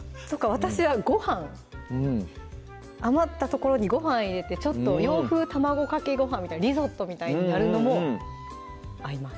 私はごはん余ったところにごはん入れてちょっと洋風卵かけごはんみたいにリゾットみたいになるのも合います